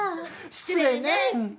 失礼ね！